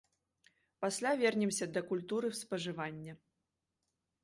Пасля вернемся да культуры спажывання.